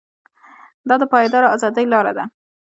دا د پایداره ازادۍ لاره ده.